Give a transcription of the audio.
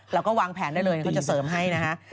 แล้วก็วางแผนได้เลยเขาจะเสริมให้นะคะ